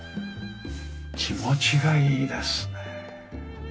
気持ちがいいですね。